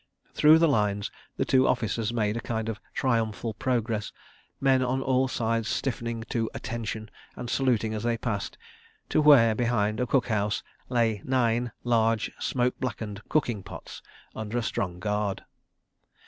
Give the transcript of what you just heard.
Through the Lines the two officers made a kind of Triumphal Progress, men on all sides stiffening to "attention" and saluting as they passed, to where, behind a cook house, lay nine large smoke blackened cooking pots under a strong guard.